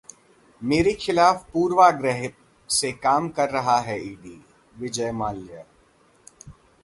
मेरे खिलाफ पूर्वाग्रह से काम कर रहा है ईडीः विजय माल्या